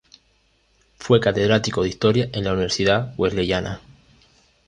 Fue catedrático de Historia en la Universidad Wesleyana.